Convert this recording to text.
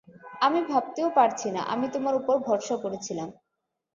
আমি ভাবতেও পারছি না, আমি তোমার উপর ভরসা করেছিলাম।